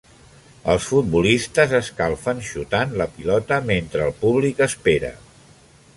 Els futbolistes escalfen xutant la pilota mentre el públic espera.